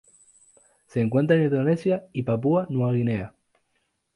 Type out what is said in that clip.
Se encuentra en Indonesia y Papúa Nueva Guinea.